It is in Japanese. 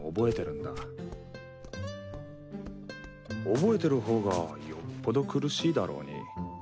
覚えてる方がよっぽど苦しいだろうに。